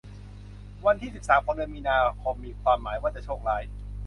วันที่สิบสามของเดือนมีนาคมมีความหมายว่าจะโชคร้าย